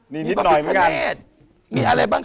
มีพี่พิคะเนธ